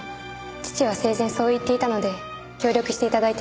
父は生前そう言っていたので協力して頂いてるんです。